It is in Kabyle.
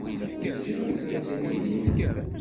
Teǧǧiḍ-asent-ten-id?